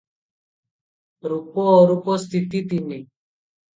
ରୂପ ଅରୂପ ସ୍ଥିତି ତିନି ।